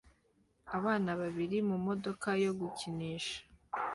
Abana babiri mumodoka yo gukinisha